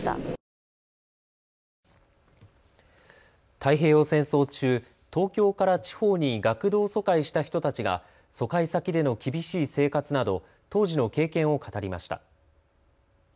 太平洋戦争中、東京から地方に学童疎開した人たちが疎開先での厳しい生活など当時の経験を語りました。